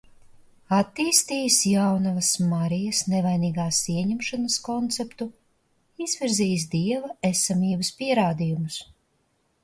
Attīstījis Jaunavas Marijas nevainīgās ieņemšanas konceptu, izvirzījis Dieva esamības pierādījumus.